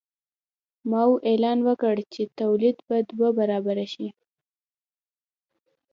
ماوو اعلان وکړ چې تولید به دوه برابره شي.